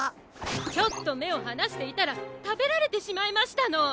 ちょっとめをはなしていたらたべられてしまいましたの。